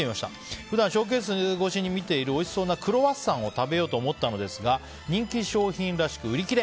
普段ショーケース越しに見ているおいしそうなクロワッサンを食べようと思ったのですが人気商品らしく売り切れ。